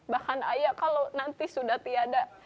bahkan ayah kalau nanti sudah tiada